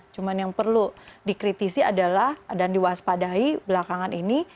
cuman yang perlu dikritisi adalah dan waspadahi belakangan ini